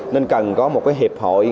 nên cần có một cái hiệp hội